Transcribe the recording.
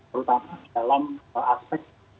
terutama dalam aspek